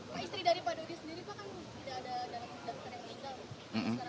pak istri dari pak dodi sendiri pak kan tidak ada dalam dokter yang meninggal